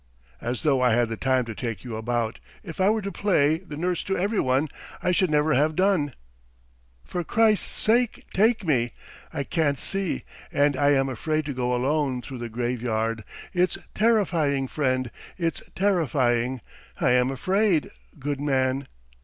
"As though I had the time to take you about; if I were to play the nurse to everyone I should never have done." "For Christ's sake, take me! I can't see, and I am afraid to go alone through the graveyard. It's terrifying, friend, it's terrifying; I am afraid, good man."